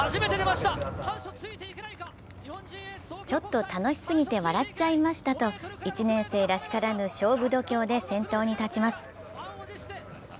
ちょっと楽しすぎて笑っちゃいましたと、１年生らしからぬ勝負度胸で先頭に立ちます。